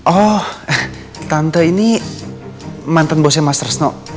oh tante ini mantan bosnya mas resno